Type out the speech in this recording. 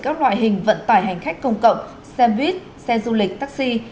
các loại hình vận tải hành khách công cộng xe buýt xe du lịch taxi